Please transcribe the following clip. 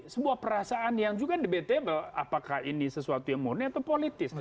sebuah perasaan yang juga debatable apakah ini sesuatu yang murni atau politis